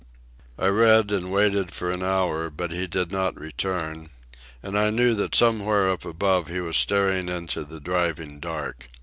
I read and waited for an hour, but he did not return; and I knew that somewhere up above he was staring into the driving dark.